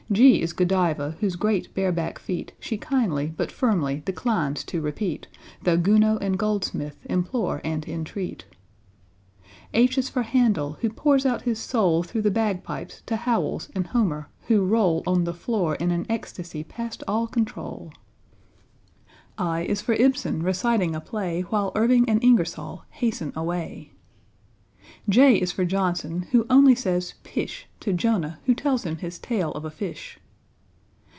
=G= is =G=odiva, whose great bareback feat She kindly but firmly declines to repeat, Though =G=ounod and =G=oldsmith implore and entreat. =H= is for =H=andel, who pours out his soul Through the bagpipes to =H=owells and =H=omer, who roll On the floor in an ecstasy past all control. =I= is for =I=bsen, reciting a play While =I=rving and =I=ngersoll hasten away. =J= is for =J=ohnson, who only says "Pish!" To =J=onah, who tells him his tale of a fish.